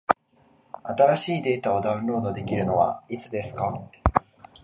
新しいデータをダウンロードできるのはいつですか？